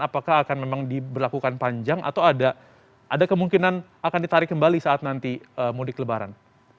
apakah akan memang diberlakukan panjang atau ada kemungkinan akan ditarik kembali saat nanti mudik lebaran